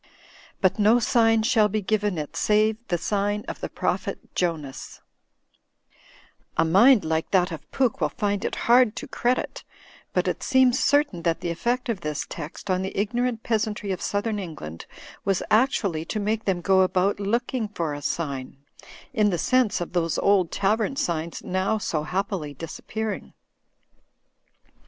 But no sign shall be given it save the sign of the prophet Jonas/ "A mind like that of Pooke will find it hard to credit, but it seems certain that the effect of this text on the ignorant peasantry of southern England was actually to make them go about looking for a sign, *m the sense of those old tavern signs now so happily disappearing.